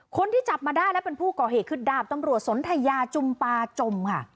คนที่จับมาได้และเป็นผู้ก่อเหตุคือดาบตำรวจสนทยาจุมปาจมค่ะ